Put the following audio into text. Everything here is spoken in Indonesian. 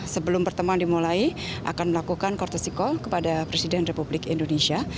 sebelum pertemuan dimulai akan melakukan kortosikol kepada presiden republik indonesia